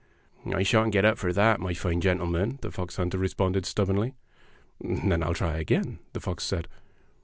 "I shan't get up for that, my fine gentle man," the fox hunter responded stubbornly. "Then I'll try again," the fox said.